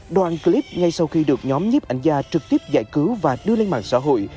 đoạn clip ngay sau khi được nhóm nhiếp ảnh gia trực tiếp giải cứu và đưa lên mạng xã hội